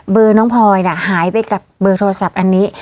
น้องพลอยน่ะหายไปกับเบอร์โทรศัพท์อันนี้